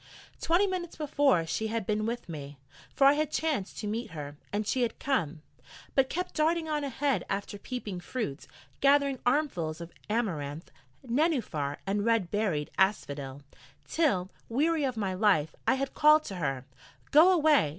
Twenty minutes before she had been with me, for I had chanced to meet her, and she had come, but kept darting on ahead after peeping fruit, gathering armfuls of amaranth, nenuphar, and red berried asphodel, till, weary of my life, I had called to her: 'Go away!